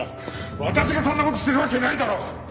私がそんな事するわけないだろう！